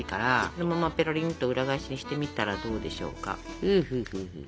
そのままぺろりんと裏返しにしてみたらどうでしょうか。